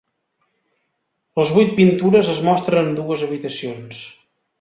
Les vuit pintures es mostren en dues habitacions.